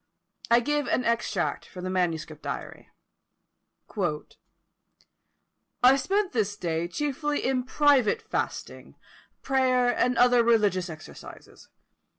I give an extract from the manuscript diary: "I spent this day chiefly in private fasting, prayer, and other religious exercises.